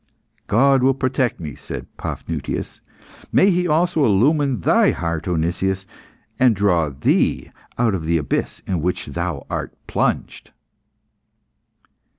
"God will protect me," said Paphnutius. "May He also illumine thy heart, O Nicias, and draw thee out of the abyss in which thou art plunged."